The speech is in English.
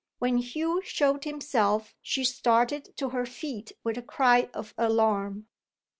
When Hugh showed himself she started to her feet with a cry of alarm.